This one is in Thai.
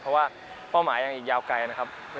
เพราะว่าเป้าหมายยังอีกยาวไกลนะครับ